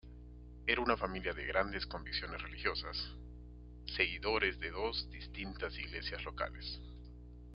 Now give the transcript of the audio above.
Era una familia de grandes convicciones religiosas, seguidores de dos distintas iglesias locales.